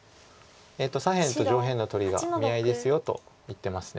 左辺と上辺の取りが見合いですよと言ってます。